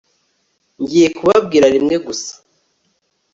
ngiye kubabwira rimwe gusa